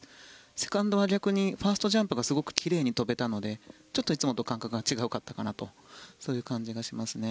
セカンドは逆にファーストジャンプが奇麗に跳べたのでちょっといつもと感覚が違ったかなとそういう感じがしますね。